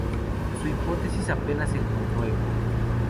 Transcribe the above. Su hipótesis apenas encontró eco.